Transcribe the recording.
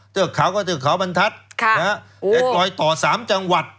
เทือกเขาก็เทือกเขาบรรทัศน์จะลอยต่อ๓จังหวัด